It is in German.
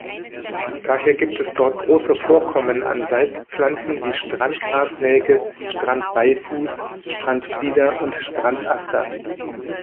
Daher gibt es dort große Vorkommen an Salzpflanzen wie Strand-Grasnelke, Strand-Beifuß, Strandflieder und Strand-Aster.